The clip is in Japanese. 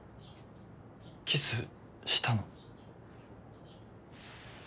キスしたの？